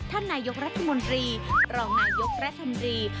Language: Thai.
ท่านนายกรัฐมนตรีรองนายกรัฐมนตรี